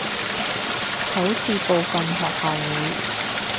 好似部份學校會